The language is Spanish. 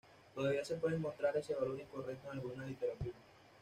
Todavía se puede encontrar ese valor incorrecto en alguna literatura.